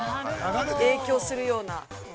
影響するような。